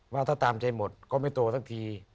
ว่าถ้าตามใจหมดก็ไม่โตสักที